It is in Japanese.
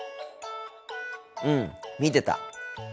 うん見てた。